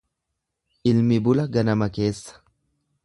Ilmi bula ganama keessa.